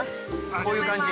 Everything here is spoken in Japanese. こういう感じ